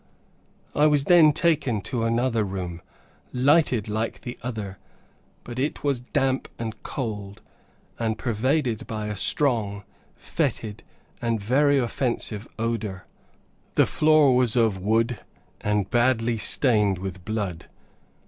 I was then taken to another room, lighted like the other, but it was damp and cold, and pervaded by a strong, fetid, and very offensive odor. The floor was of wood, and badly stained with blood.